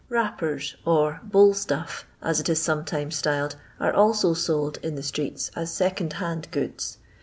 " Wrappers," or " bale stuff," as it is sometimes styled, arc also sold in the streets as secondhand goods.